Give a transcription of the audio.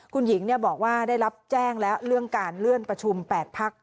คุณหญิงบอกว่าได้รับแจ้งแล้วเรื่องการเลื่อนประชุม๘พัก